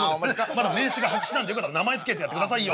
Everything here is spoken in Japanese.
まだ名刺が白紙なんでよかったら名前付けてやってくださいよ。